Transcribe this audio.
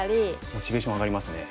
モチベーション上がりますね。